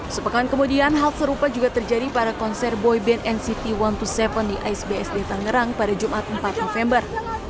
sepekan kemudian hal serupa juga terjadi pada konser boy band nct satu ratus dua puluh tujuh di icebsd tangerang pada jumat empat november